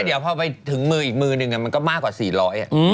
เดี๋ยวพอไปถึงมืออีกมือนึงมันก็มากกว่า๔๐๐บาท